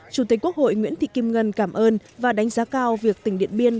chủ tịch quốc hội nguyễn thị kim ngân cảm ơn và đánh giá cao việc tỉnh điện biên